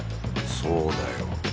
そうだよ。